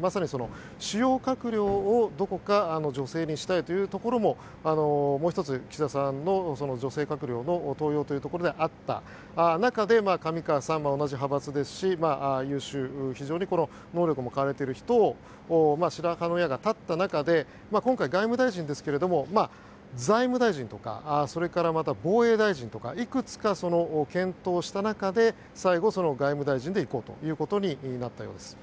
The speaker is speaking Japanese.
まさに主要閣僚を、どこか女性にしたいというところももう１つ岸田さんの女性閣僚の登用というところであった中で上川さん、同じ派閥ですし、優秀非常に能力も買われている人に白羽の矢が立った中で今回、外務大臣ですが財務大臣とかそれから防衛大臣とかいくつか検討した中で最後、外務大臣で行こうということになったようです。